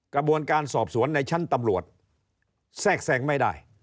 กระบวนการสอบสวนในชั้นตำรวจแทรกแทรงไม่ได้